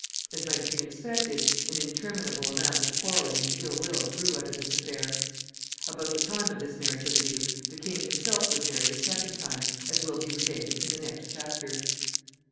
As might have been expected, an interminable amount of quarreling and ill will grew out of this affair. About the time of this marriage of the duke, the king himself was married a second time, as will be related in the next chapter.